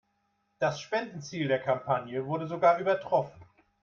Das Spendenziel der Kampagne wurde sogar übertroffen.